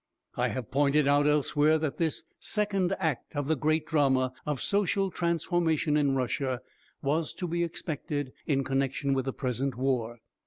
I have pointed out elsewhere that this Second Act of the great drama of social transformation in Russia was to be expected in connection with the present war.